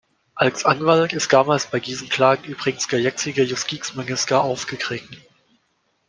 Als Anwalt ist damals bei diesen Klagen übrigens der jetzige Justizminister aufgetreten.